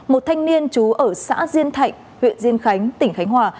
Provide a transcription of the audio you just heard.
một thanh niên trú ở xã diên thạnh huyện diên khánh tỉnh khánh hòa